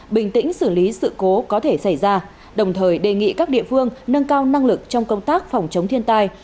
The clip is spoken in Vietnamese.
bình tĩnh xử lý sự cố có thể xảy ra đồng thời đề nghị các địa phương nâng cao năng lực trong công tác phòng chống thiên tai